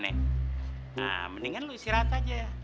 nah mendingan lo isi rata aja ya